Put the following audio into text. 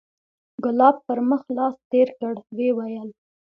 ګلاب پر مخ لاس تېر کړ ويې ويل.